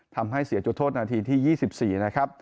ทำให้เสียจุดโทษนาทีที่๒๔นะครับ